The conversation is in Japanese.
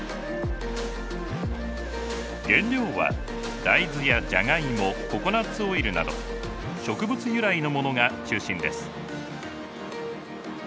原料は大豆やジャガイモココナツオイルなど植物由来のものが中心です。